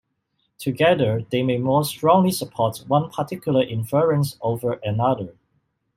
Together, they may more strongly support one particular inference over another.